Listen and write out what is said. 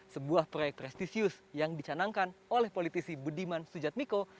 sebuah proyek prestisius yang dicanangkan oleh politisi budiman sujatmiko